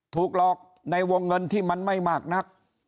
ถูกหลอกในวงเงินที่มันไม่มากนัก